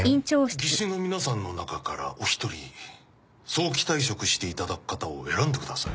技師の皆さんの中からお一人早期退職していただく方を選んでください